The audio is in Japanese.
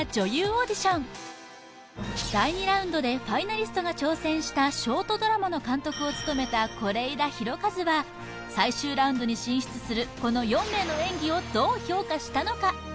オーディション第２ラウンドでファイナリストが挑戦したショートドラマの監督を務めた是枝裕和は最終ラウンドに進出するこの４名の演技をどう評価したのか？